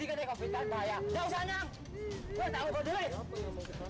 tidak ada masalah tidak ada masalah